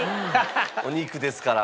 お肉ですから。